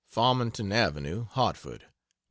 FARMINGTON AVENUE, HARTFORD. Dec.